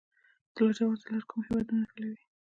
د لاجوردو لاره کوم هیوادونه نښلوي؟